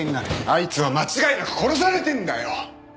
あいつは間違いなく殺されてんだよ！